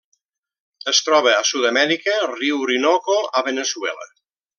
Es troba a Sud-amèrica: riu Orinoco a Veneçuela.